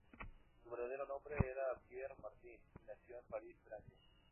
Su verdadero nombre era Pierre Martin, y nació en París, Francia.